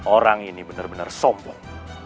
orang ini benar benar sombong